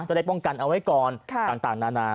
จะได้ป้องกันเอาไว้ก่อนต่างนานา